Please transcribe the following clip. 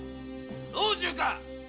老中か？